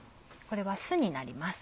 これは酢になります。